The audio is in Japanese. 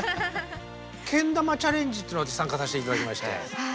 けん玉チャレンジというの私参加させて頂きまして。